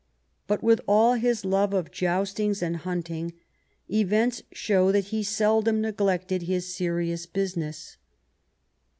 But Avith all his love of joustings and hunting, events show that he seldom neglected his serious business.